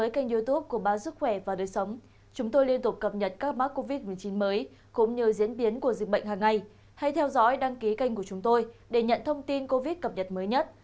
các bạn hãy đăng ký kênh của chúng tôi để nhận thông tin cập nhật mới nhất